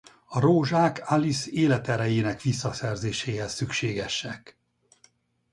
A rózsák Alice életerejének visszaszerzéséhez szükségesek.